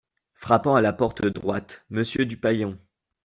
Frappant à la porte de droite., Monsieur Dupaillon !